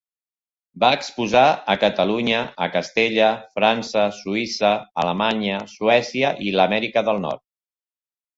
Va exposar a Catalunya, a Castella, França, Suïssa, Alemanya, Suècia i l'Amèrica del Nord.